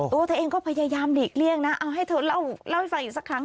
ตัวเธอเองก็พยายามหลีกเลี่ยงนะเอาให้เธอเล่าให้ฟังอีกสักครั้ง